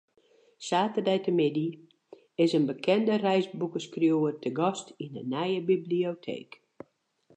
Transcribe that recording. Saterdeitemiddei is in bekende reisboekeskriuwer te gast yn de nije biblioteek.